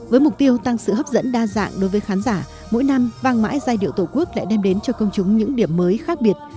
với mục tiêu tăng sự hấp dẫn đa dạng đối với khán giả mỗi năm vang mãi giai điệu tổ quốc lại đem đến cho công chúng những điểm mới khác biệt